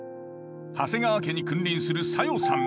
長谷川家に君臨する小夜さん。